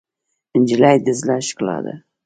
نجلۍ د زړه ښکلا ده.